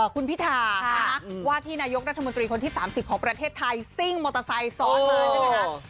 คุณพิธาว่าที่นายกรัฐมนตรีคนที่๓๐ของประเทศไทยซิ่งมอเตอร์ไซค์ซ้อนมาใช่ไหมคะ